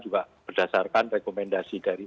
juga berdasarkan rekomendasi dari